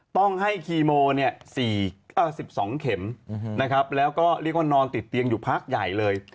ต้องให้คีโม๑๒เข็มนะครับแล้วก็เรียกว่านอนติดเตียงอยู่พักใหญ่เลย